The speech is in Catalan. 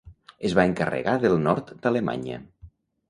Es va encarregar del nord d'Alemanya.